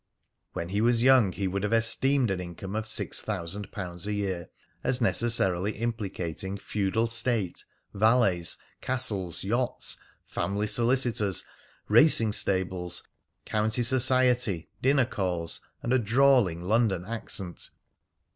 When he was young he would have esteemed an income of six thousand pounds a year as necessarily implicating feudal state, valets, castles, yachts, family solicitors, racing stables, county society, dinner calls, and a drawling London accent.